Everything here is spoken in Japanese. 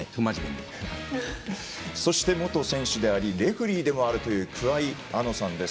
そして、元選手でありレフリーでもあるという桑井亜乃さんです。